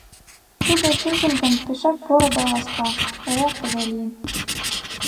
Тудо, чынжым гын, пешак поро да ласка, эреак тыгай лийын.